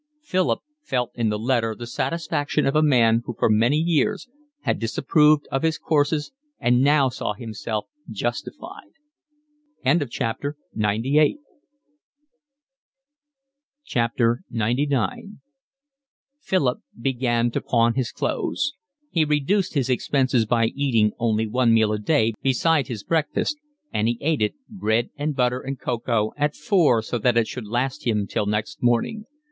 Philip felt in the letter the satisfaction of a man who for many years had disapproved of his courses and now saw himself justified. XCIX Philip began to pawn his clothes. He reduced his expenses by eating only one meal a day beside his breakfast; and he ate it, bread and butter and cocoa, at four so that it should last him till next morning.